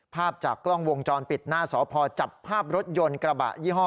ภาพจากกล้องวงจรปิดหน้าสพจับภาพรถยนต์กระบะยี่ห้อ